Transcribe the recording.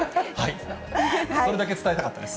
それだけ伝えたかったです。